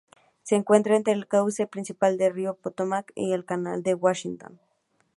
Se encuentra entre el cauce principal del río Potomac y el Canal de Washington.